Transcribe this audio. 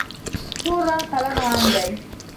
تور رنګ قلم عام دی.